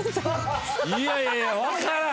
いやいやわからん！